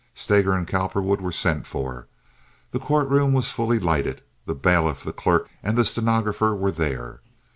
Steger and Cowperwood were sent for. The court room was fully lighted. The bailiff, the clerk, and the stenographer were there.